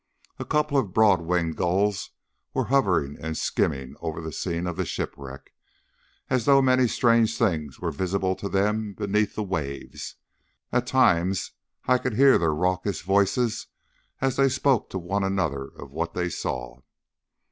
A couple of broad winged gulls were hovering and skimming over the scene of the shipwreck, as though many strange things were visible to them beneath the waves. At times I could hear their raucous voices as they spoke to one another of what they saw.